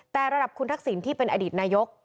แต่ระดับคุณทักษิณที่เป็นอดีตนายก